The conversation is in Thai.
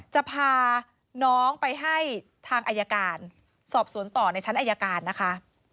จะพาน้องไปให้ทางอายการสอบสวนต่อในชั้นอายการนะคะ